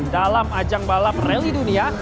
dalam ajang balap rally dunia